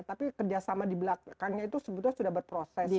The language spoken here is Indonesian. tapi kerjasama di belakangnya itu sebetulnya sudah berproses